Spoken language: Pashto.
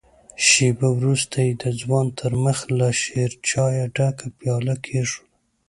شېبه وروسته يې د ځوان تر مخ له شيرچايه ډکه پياله کېښوده.